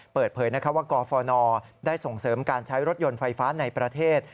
เปิดเผยว่ากฟนได้ส่งเสริมการใช้รถยนต์ไฟฟ้าในประเทศ